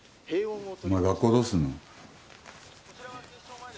お前学校はどうすんの？